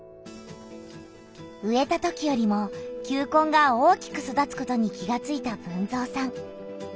植えたときよりも球根が大きく育つことに気がついた豊造さん。